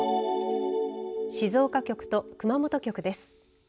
静岡局と熊本局です。